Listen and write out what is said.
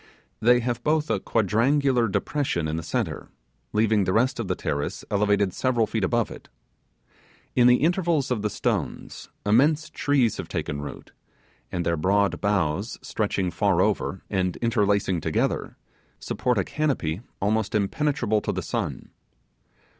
They have both a quadrangular depression in the centre, leaving the rest of the terrace elevated several feet above it. In the intervals of the stones immense trees have taken root, and their broad boughs stretching far over, and interlacing together, support a canopy almost impenetrable to the sun.